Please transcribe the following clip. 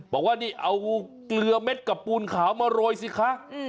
บอกว่านี่เอาเกลือเม็ดกับปูนขาวมาโรยสิคะ